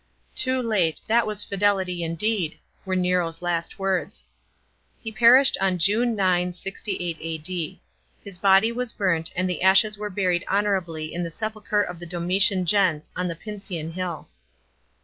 " Too late !— that was fidelity indeed !" were Nero's last words. He perished on June 9, 68 A.D. His body was burnt, and the ashes were buried honorably in the sepulchre of the Domitian gens on the Pincian hill.